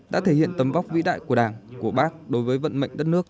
đã thể hiện tấm vóc vĩ đại của đảng của bác đối với vận mệnh đất nước